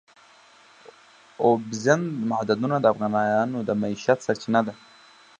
اوبزین معدنونه د افغانانو د معیشت سرچینه ده.